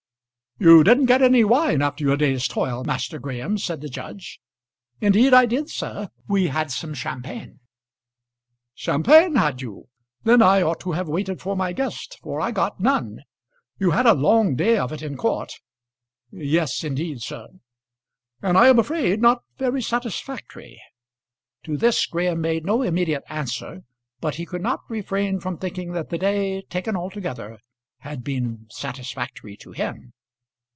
"You didn't get any wine after your day's toil, Master Graham," said the judge. "Indeed I did, sir. We had some champagne." "Champagne, had you? Then I ought to have waited for my guest, for I got none. You had a long day of it in court." "Yes, indeed, sir." "And I am afraid not very satisfactory." To this Graham made no immediate answer, but he could not refrain from thinking that the day, taken altogether, had been satisfactory to him.